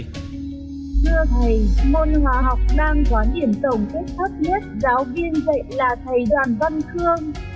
thưa thầy môn hòa học đang có điểm tổng kết thấp nhất giáo viên vậy là thầy đoàn văn khương